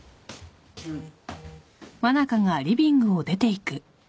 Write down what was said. うん。